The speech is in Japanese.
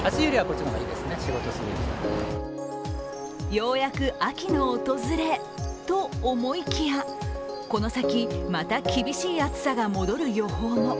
ようやく秋の訪れ、と思いきやこの先また厳しい暑さが戻る予報も。